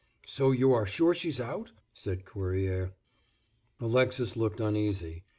"So you are sure she's out?" said Cuerrier. Alexis looked uneasy.